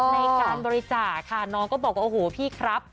ในการบริจาคค่ะน้องก็บอกว่าโอ้โหพี่ครับ